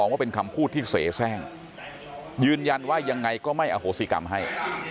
ว่าเป็นคำพูดที่เสียแทร่งยืนยันว่ายังไงก็ไม่อโหสิกรรมให้